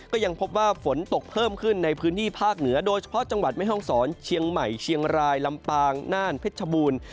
ก็ยังพบว่าฝนตกเพิ่มขึ้นในพื้นที่ภาคเหนือโดยเฉพาะจังหวัดแม่ห้องศรเชียงใหม่เชียงรายลำปางน่านเพชรชบูรณ์